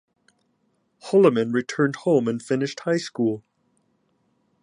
Holliman returned home and finished high school.